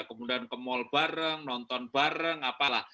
kemudian ke mall bareng nonton bareng apalah